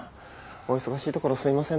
お忙しいところすいません。